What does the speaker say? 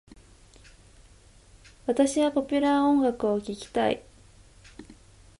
私はポピュラー音楽を聞きたい。